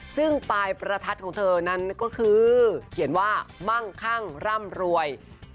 ซึ่งปลายประทัดของเธอนั้นก็คือเขียนว่ามั่งคั่งร่ำรวย